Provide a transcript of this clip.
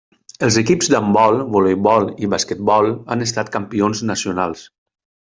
Els equips d'handbol, voleibol i basquetbol han estat campions nacionals.